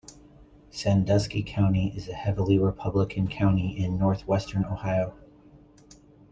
Sandusky County is a heavily Republican County in Northwestern Ohio.